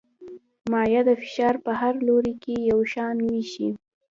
مایع د فشار په هر لوري کې یو شان وېشي.